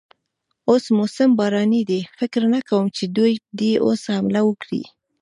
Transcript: اوس موسم باراني دی، فکر نه کوم چې دوی دې اوس حمله وکړي.